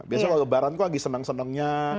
biasanya kalau lebaran itu lagi senang senangnya